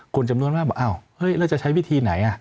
คนจำนวนว่าอ้าวแล้วจะใช้วิธีไหน